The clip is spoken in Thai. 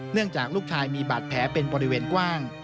จากลูกชายมีบาดแผลเป็นบริเวณกว้าง